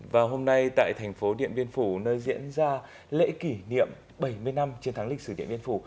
và hôm nay tại thành phố điện biên phủ nơi diễn ra lễ kỷ niệm bảy mươi năm chiến thắng lịch sử điện biên phủ